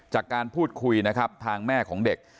จากการพูดคุยนะครับทางแม่ของเด็ก